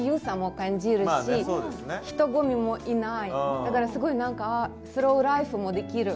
だからすごい何かスローライフもできる。